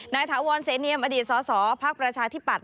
นายถาวรเศรษฐ์เนียมอดีตสศภาคประชาธิปัตย์